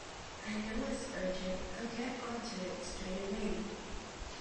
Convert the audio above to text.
I know it's urgent; I’ll get on to it straight away